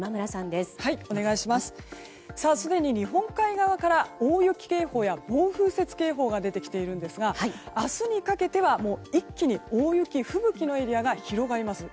すでに日本海側から大雪警報や暴風雪警報が出ているんですが明日にかけては一気に大雪吹雪のエリアが広がります。